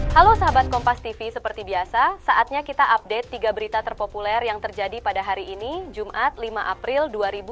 halo sahabat kompas tv seperti biasa saatnya kita update tiga berita terpopuler yang terjadi pada hari ini jumat lima april dua ribu dua puluh